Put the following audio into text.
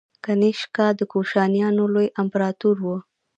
کنیشکا د کوشانیانو لوی امپراتور و